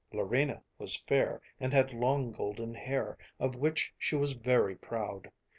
Larina was fair and had long golden hair of which she was very proud.